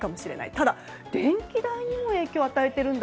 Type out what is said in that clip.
ただ、電気代にも影響を与えているんだ。